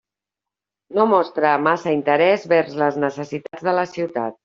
No mostra massa interès vers les necessitats de la ciutat.